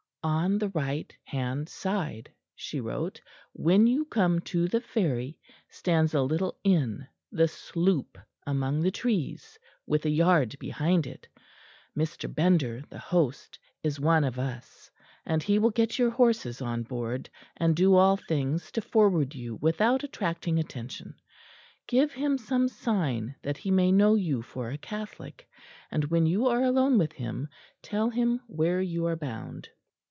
"On the right hand side," she wrote, "when you come to the ferry, stands a little inn, the 'Sloop,' among trees, with a yard behind it. Mr. Bender, the host, is one of us; and he will get your horses on board, and do all things to forward you without attracting attention. Give him some sign that he may know you for a Catholic, and when you are alone with him tell him where you are bound."